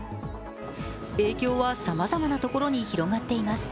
影響はさまざまなところに広がっています。